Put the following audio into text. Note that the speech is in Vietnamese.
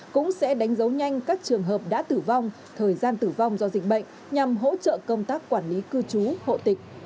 cũng sẽ đánh dấu nhanh các trường hợp đã tử vong thời gian tử vong do dịch bệnh nhằm hỗ trợ công tác quản lý cư trú hộ tịch